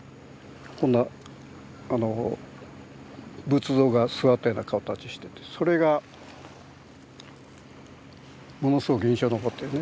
こんな仏像が座ったような形しててそれがものすごく印象に残ってるね。